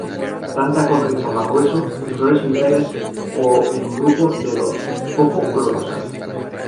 Planta con rizoma grueso y flores solitarias o en grupo de dos, poco olorosas.